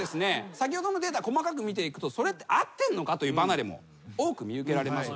先ほどのデータ細かく見ていくと「それって合ってんのか？」という離れも多く見受けられます。